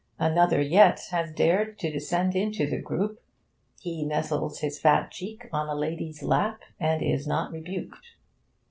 Another yet has dared to descend into the group; he nestles his fat cheek on a lady's lap, and is not rebuked.